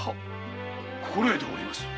心得ております。